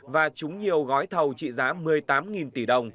và trúng nhiều gói thầu trị giá một mươi tám tỷ đồng